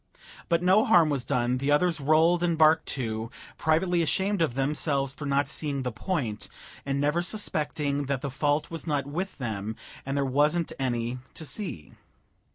But no harm was done; the others rolled and barked too, privately ashamed of themselves for not seeing the point, and never suspecting that the fault was not with them and there wasn't any to see.